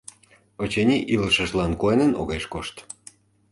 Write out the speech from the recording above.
Очыни, илышыжлан куанен огеш кошт.